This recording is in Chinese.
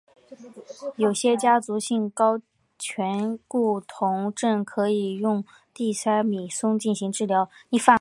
有些家族性高醛固酮症可用地塞米松进行治疗。